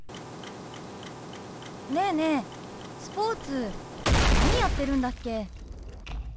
ねえねえスポーツ何やってるんだっけ？